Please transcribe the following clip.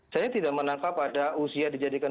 saya tidak menangkap ada usia dijadikan